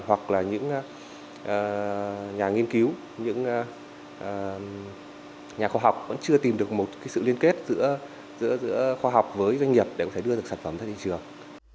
hoặc là những nhà nghiên cứu những nhà khoa học vẫn chưa tìm được một sự liên kết giữa khoa học với doanh nghiệp để có thể đưa được sản phẩm ra thị trường